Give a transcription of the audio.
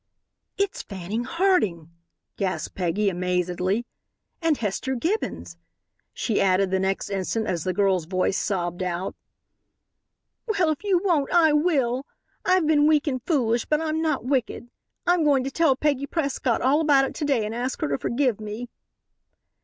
"It's Fanning Harding!" gasped Peggy, amazedly, "and Hester Gibbons," she added the next instant as the girl's voice sobbed out: "Well, if you won't, I will. I've been weak and foolish but I'm not wicked. I'm going to tell Peggy Prescott all about it to day and ask her to forgive me."